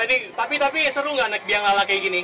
ini tapi tapi seru gak naik biang lala kayak gini